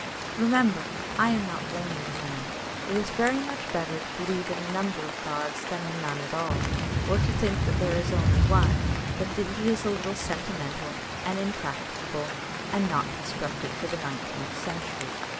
Remember, I am not blaming the man; it is very much better to believe in a number of gods than in none at all, or to think there is only one, but that he is a little sentimental and impracticable, and not constructed for the nineteenth century.